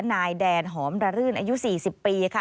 นายแดนหอมระรื่นอายุ๔๐ปีค่ะ